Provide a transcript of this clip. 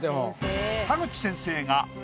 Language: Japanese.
田口先生が